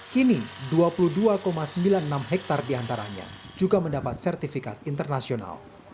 kini dua puluh dua sembilan puluh enam hektare diantaranya juga mendapat sertifikat internasional